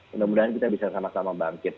mudah mudahan kita bisa sama sama bangkit